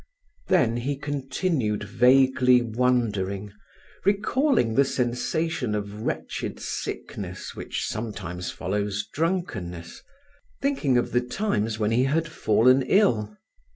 Then he continued vaguely wondering, recalling the sensation of wretched sickness which sometimes follows drunkenness, thinking of the times when he had fallen ill.